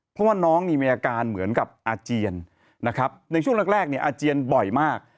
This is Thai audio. เพราะว่าน้องนี่มีอาการเหมือนกับอาเจียนนะครับในช่วงแรกเนี่ยอาเจียนบ่อยมาก